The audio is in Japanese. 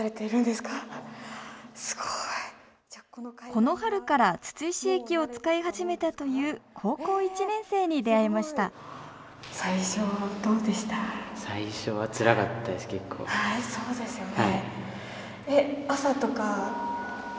この春から筒石駅を使い始めたという高校１年生に出会いましたそうですよね。